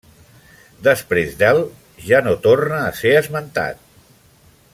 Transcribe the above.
Després del ja no torna a ser esmentat.